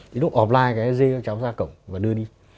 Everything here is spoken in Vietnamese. đến lúc offline rủ các cháu ra cổng và đưa đi